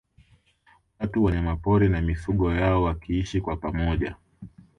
Watu Wanyamapori na mifugo yao wakiishi kwa pamoja